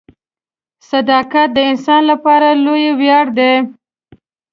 • صداقت د انسان لپاره لوی ویاړ دی.